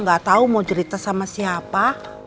gak tau mau cerita sama siapa